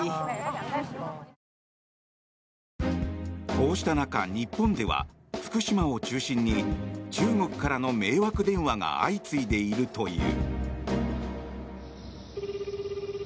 こうした中、日本では福島を中心に中国からの迷惑電話が相次いでいるという。